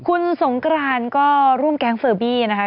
คุณสงกรานก็ร่วมแก๊งเฟอร์บี้นะคะ